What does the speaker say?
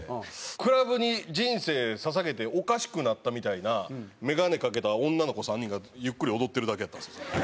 クラブに人生捧げておかしくなったみたいな眼鏡かけた女の子３人がゆっくり踊ってるだけやったんですよ。